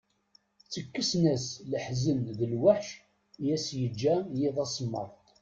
Ttekksen-as leḥzen d lweḥc i as-yeǧǧa yiḍ asemmaḍ.